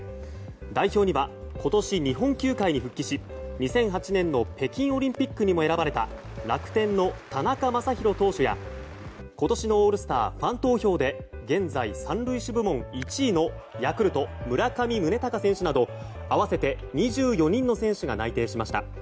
代表には、今年日本球界に復帰し２００８年の北京オリンピックにも選ばれた楽天の田中将大投手や今年のオールスターファン投票で現在３塁手部門１位のヤクルト、村上宗隆選手など合わせて２４人の選手が内定しました。